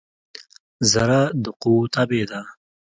ذره د قوؤ تابع ده.